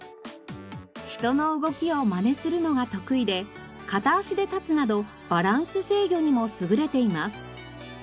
人の動きをまねするのが得意で片足で立つなどバランス制御にも優れています。